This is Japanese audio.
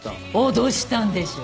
脅したんでしょ。